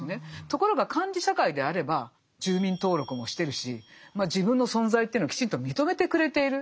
ところが管理社会であれば住民登録もしてるし自分の存在というのをきちんと認めてくれている。